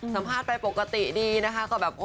สัมภาษณ์ไปปกติดีนะคะก็แบบ